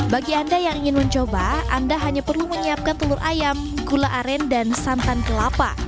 bagi anda yang ingin mencoba anda hanya perlu menyiapkan telur ayam gula aren dan santan kelapa